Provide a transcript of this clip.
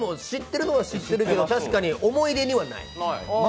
知ってるのは知ってるけど確かに思い出にはない。